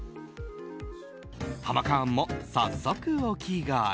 ハマカーンも早速お着替え。